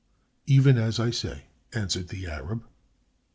"Even as I say," answered the Arab.